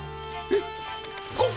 えっ！？